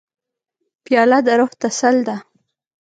پیاله د روح تسل ده.